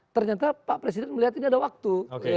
ternyata pak presiden melihat ini ada waktu